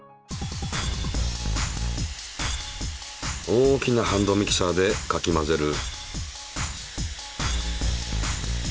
大きなハンドミキサーでかき混ぜる。